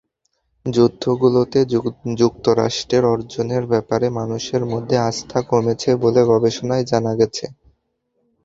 যুদ্ধগুলোতে যুক্তরাষ্ট্রের অর্জনের ব্যাপারে মানুষের মনে আস্থা কমেছে বলে গবেষণায় জানা গেছে।